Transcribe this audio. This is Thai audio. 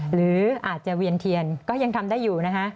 หรืออาจจะเวียนเทียนก็ยังทำได้อยู่นะคะ